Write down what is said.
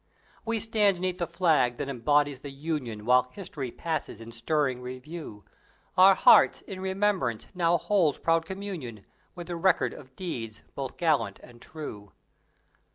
We stand 'neath the Flag that embodies the union, While History passes in stirring review; Our hearts, in remembrance, now hold proud communion With the record of deeds both gallant and true!